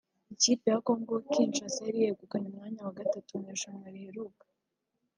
Ikipe ya Congo Kinshasa yari yegukanye umwanya wa gatatu mu irushanwa riheruka